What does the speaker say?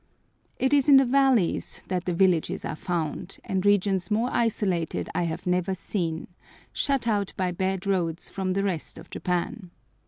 It is in the valleys that the villages are found, and regions more isolated I have never seen, shut out by bad roads from the rest of Japan.